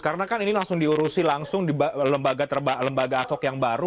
karena kan ini langsung diurusi langsung di lembaga adhok yang baru